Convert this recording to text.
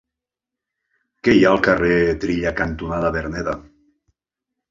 Què hi ha al carrer Trilla cantonada Verneda?